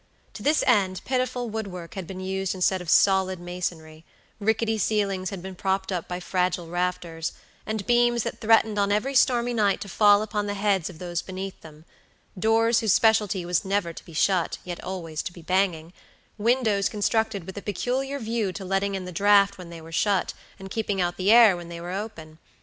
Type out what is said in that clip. To this end pitiful woodwork had been used instead of solid masonry; rickety ceilings had been propped up by fragile rafters, and beams that threatened on every stormy night to fall upon the heads of those beneath them; doors whose specialty was never to be shut, yet always to be banging; windows constructed with a peculiar view to letting in the draft when they were shut, and keeping out the air when they were open.